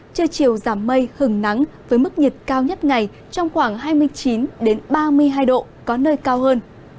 trưa chiều giảm mây hứng nắng với mức nhiệt cao nhất ngày trong khoảng hai mươi chín ba mươi hai độ có nơi cao hơn